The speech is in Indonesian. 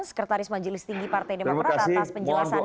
sekretaris majelis tinggi partai demokrat atas penjelasannya